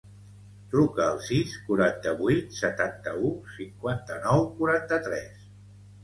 Truca al sis, quaranta-vuit, setanta-u, cinquanta-nou, quaranta-tres.